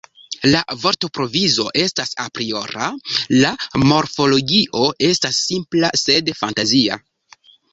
La vortprovizo estas apriora, la morfologio estas simpla sed fantazia.